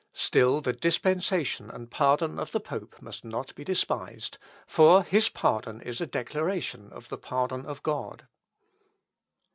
"Still the dispensation and pardon of the pope must not be despised; for his pardon is a declaration of the pardon of God.